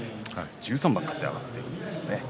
１３番勝って上がっているんですよね。